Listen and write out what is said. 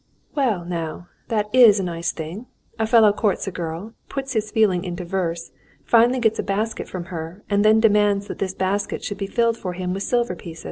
"Well, now, that is a nice thing. A fellow courts a girl, puts his feelings into verse, finally gets a basket from her, and then demands that this basket should be filled for him with silver pieces."